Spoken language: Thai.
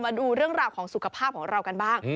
มาดูเรื่องราวของสุขภาพของเรากันบ้าง